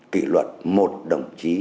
kỷ luật một đồng chí